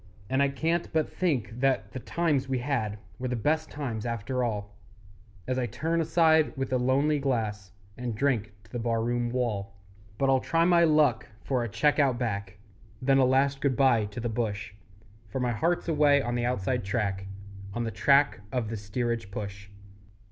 And I can't but think that the times we had Were the best times after all, As I turn aside with a lonely glass And drink to the bar room wall. But I'll try my luck for a cheque Out Back, Then a last good bye to the bush; For my heart's away on the Outside Track, On the track of the steerage push.